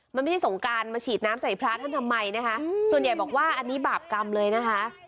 มันไม่ใช่สงการมาฉีดน้ำใส่พระท่านทำไมนะคะส่วนใหญ่บอกว่าอันนี้บาปกรรมเลยนะคะ